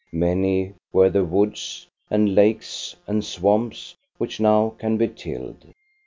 Many were the woods and lakes and swamps which now can be tilled.